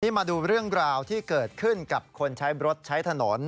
มาดูเรื่องราวที่เกิดขึ้นกับคนใช้รถใช้ถนน